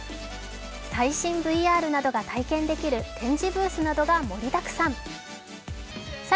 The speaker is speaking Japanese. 最新ＶＲなどが体験できる展示ブースが盛りだくさん。